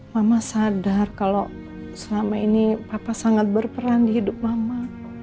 mama sadar kalau selama ini papa sangat berperan di hidup mama